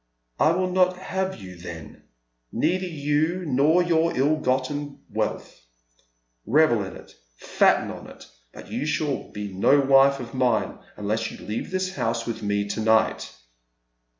" I will nothave you then, neither you nor your ill gotten wealth. Revel in it, fatten on it, but you shall be no wife of mine unless you leave this house with me to night."